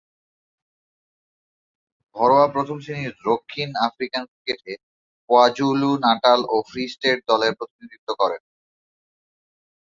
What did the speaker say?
ঘরোয়া প্রথম-শ্রেণীর দক্ষিণ আফ্রিকান ক্রিকেটে কোয়াজুলু-নাটাল ও ফ্রি স্টেট দলের প্রতিনিধিত্ব করেন।